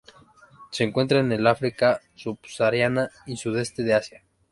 Se encuentra en el África subsahariana y sudeste de Asia.